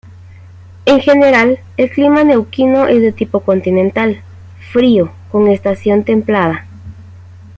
En general, el clima neuquino es de tipo continental, frío, con estación templada.